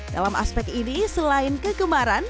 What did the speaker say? dalam aspek ini selain kegemaran